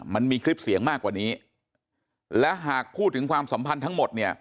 มันมีคลิปเสียงมากกว่านี้และหากพูดถึงความสัมพันธ์ทั้งหมดเนี่ย